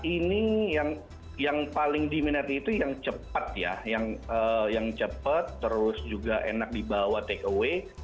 ini yang paling diminati itu yang cepat ya yang cepat terus juga enak dibawa take away